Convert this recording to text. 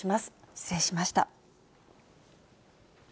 失礼しました。